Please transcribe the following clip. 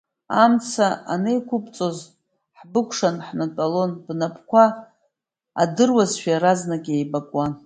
Амца анеиқәыбҵоз ҳбыкәшаны ҳнатәалон, бнапқәа адыруазшәа иаразнак еибакуан.